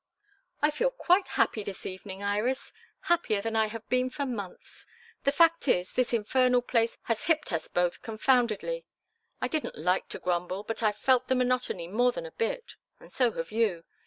"I feel quite happy this evening, Iris; happier than I have been for months. The fact is, this infernal place has hipped us both confoundedly. I didn't like to grumble, but I've felt the monotony more than a bit. And so have you.